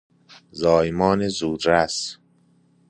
زایمان زودرس